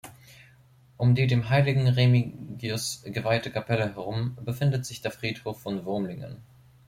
Um die dem Heiligen Remigius geweihte Kapelle herum befindet sich der Friedhof von Wurmlingen.